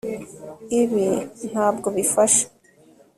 ibi ntabwo bifasha